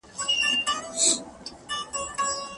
هدايت او رزق د انسان د وسع کار ندی.